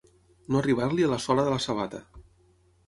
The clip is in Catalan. No arribar-li a la sola de la sabata.